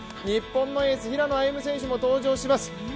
日本のエース、平野歩夢選手も登場します。